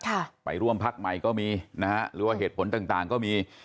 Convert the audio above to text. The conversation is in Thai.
ไปร่วมพักใหม่ก็มีนะฮะหรือว่าเหตุผลต่างต่างก็มี